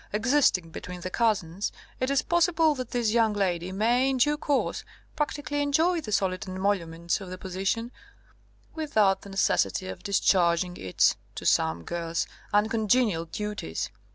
existing between the cousins, it is possible that this young lady may, in due course, practically enjoy the solid emoluments of the position without the necessity of discharging its (to some girls) uncongenial duties.